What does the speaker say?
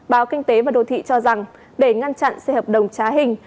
báo kinh tế và đồ thị cho rằng để ngăn chặn xe hợp đồng trá hình